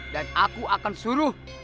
dan aku akan suruh